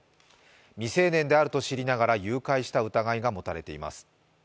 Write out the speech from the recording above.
未成年であると知りながら誘拐した疑いが持たれています。